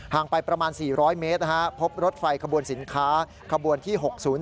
ไปประมาณ๔๐๐เมตรพบรถไฟขบวนสินค้าขบวนที่๖๐๔